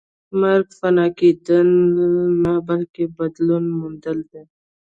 مرګ فنا کېدل نه بلکې بدلون موندل دي